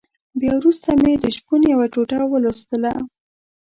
بيا وروسته مې د شپون يوه ټوټه ولوستله.